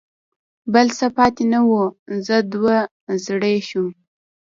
بل څه پاتې نه و، زه دوه زړی شوم.